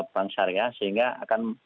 bank syariah sehingga akan